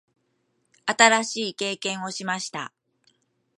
新しい経験をしました。